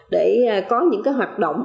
để có những hoạt động